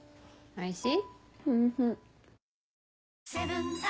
おいしい。